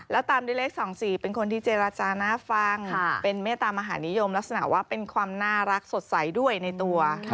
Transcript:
แล้วตามด้วยเลข๒๔เป็นคนที่เจรจาน่าฟังเป็นเมตตามหานิยมลักษณะว่าเป็นความน่ารักสดใสด้วยในตัว